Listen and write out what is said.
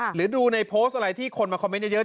หรือดูในโพสต์อะไรที่คนมาคอมเมนต์เยอะ